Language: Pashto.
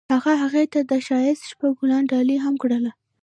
هغه هغې ته د ښایسته شپه ګلان ډالۍ هم کړل.